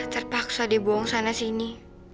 terpaksa deh buang sana sini